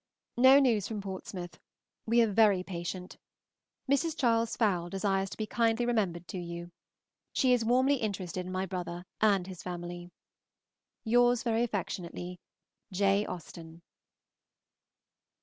No news from Portsmouth. We are very patient. Mrs. Charles Fowle desires to be kindly remembered to you. She is warmly interested in my brother and his family. Yours very affectionately, J. AUSTEN.